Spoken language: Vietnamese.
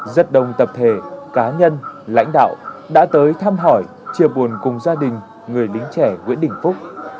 rất đông tập thể cá nhân lãnh đạo đã tới thăm hỏi chia buồn cùng gia đình người lính trẻ nguyễn đình phúc